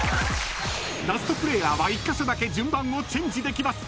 ［ラストプレーヤーは１カ所だけ順番をチェンジできます］